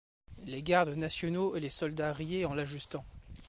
Les gardes nationaux et les soldats riaient en l’ajustant.